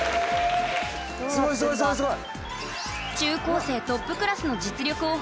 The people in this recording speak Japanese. すごいすごいすごいすごい。